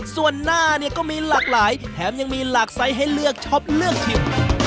ส่วนหน้าเนี่ยก็มีหลากหลายแถมยังมีหลากไซส์ให้เลือกช็อปเลือกชิม